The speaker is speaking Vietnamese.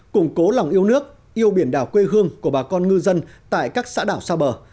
củng cố lòng yêu nước yêu biển đảo quê hương của bà con ngư dân tại các xã đảo xa bờ